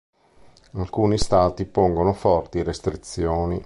Alcuni stati pongono forti restrizioni.